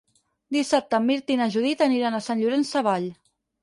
Dissabte en Mirt i na Judit aniran a Sant Llorenç Savall.